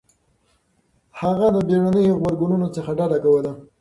هغه د بېړنيو غبرګونونو څخه ډډه کوله.